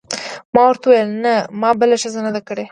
ما ورته وویل: نه، ما بله ښځه نه ده کړې.